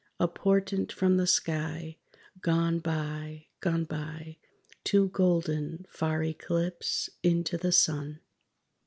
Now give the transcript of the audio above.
A portent from the sky, gone by, gone by, To golden, far eclipse; ... Into the Sun.